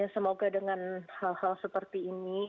semoga dengan hal hal seperti ini